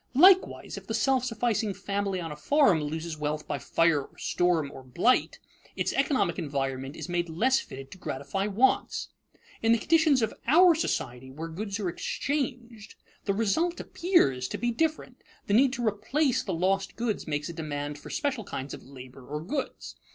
Likewise, if the self sufficing family on a farm loses wealth by fire or storm or blight, its economic environment is made less fitted to gratify wants. In the conditions of our society, where goods are exchanged, the result appears to be different. The need to replace the lost goods makes a demand for special kinds of labor or goods.